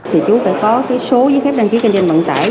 thì chú phải có số giấy phép đăng ký kinh doanh vận tải